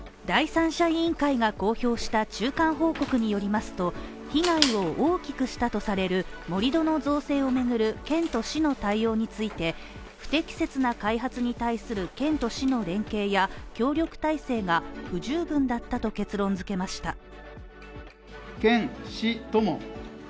第三者委員会が公表した中間報告によりますと被害を大きくしたとされる盛り土の造成を巡る県と市の対応について不適切な開発に対する県と市の連携や協力体制が不十分だったと結論づけました。